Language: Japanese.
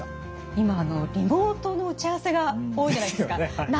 今リモートの打ち合わせが多いじゃないですか。ですよね。